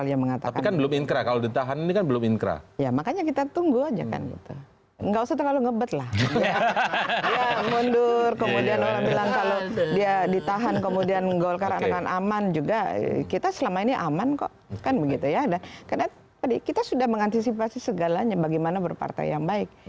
jangan lupa like subscribe share dan share video ini